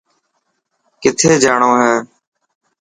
ڪٿي جاڻو هي.